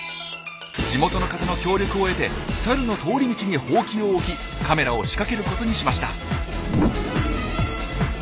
地元の方の協力を得てサルの通り道にホウキを置きカメラを仕掛けることにしました。